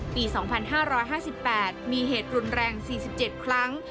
ปี๒๕๕๘มีเหตุรุนแรง๔๗ครั้ง